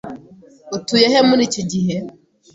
Utuye he muri iki gihe?